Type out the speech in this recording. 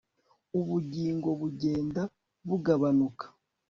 Ubugingo bugenda bugabanuka